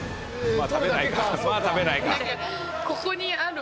まあ食べないか。